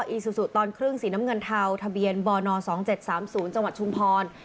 อีสุสุตอนครึ่งสีน้ำเงินเทาทะเบียนบน๒๗๓๐จชุงพร